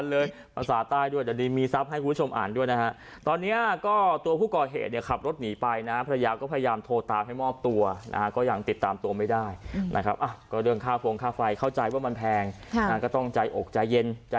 แล้วพี่เจมส์มันยังขับรถมาเลย